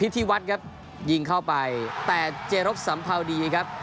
แต่เจรบสัมพาวดีครับ